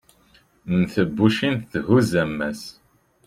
mm tebbucin thuzz ammas